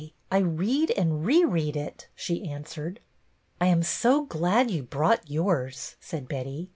I read and reread it," she answered. I am so glad you brought yours," said Betty.